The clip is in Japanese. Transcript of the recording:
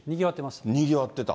にぎわってた。